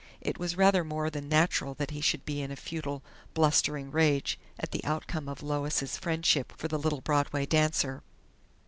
It was rather more than natural that he should be in a futile, blustering rage at the outcome of Lois' friendship for the little Broadway dancer....